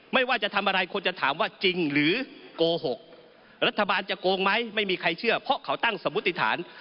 ไม่ว่าจะทำอะไรควรจะถามว่าจริงหรือโกหกรัฐบาลจะโกงไหมไม่มีใครเชื่อเพราะเขาตั้งสมมุติฐาน